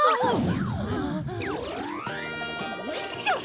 よいしょ！